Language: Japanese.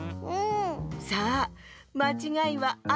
さあまちがいはあと１つ。